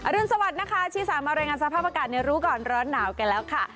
รุนสวัสดิ์นะคะชีสามารายงานสภาพอากาศในรู้ก่อนร้อนหนาวกันแล้วค่ะ